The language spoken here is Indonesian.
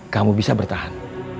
kamu bisa bertahan